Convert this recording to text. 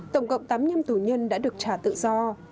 tổng cộng tám nhân tù nhân đã được trả tự do